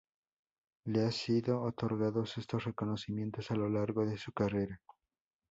Le han sido otorgados estos Reconocimientos a lo largo de su carrera.